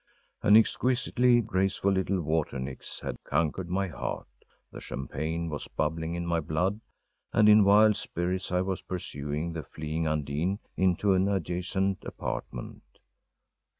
An exquisitely graceful little water nix had conquered my heart. The champagne was bubbling in my blood, and in wild spirits I was pursuing the fleeing Undine into an adjacent apartment.